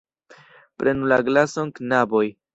Prenu la glason, knaboj!